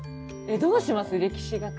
えっどうします？